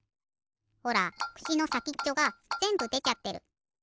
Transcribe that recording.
ほらくしのさきっちょがぜんぶでちゃってる。